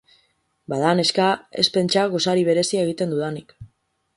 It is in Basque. Bada, neska, ez pentsa gosari berezia egiten dudanik.